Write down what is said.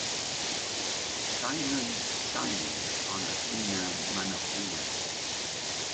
Diamonds shining on Athena Manoukian.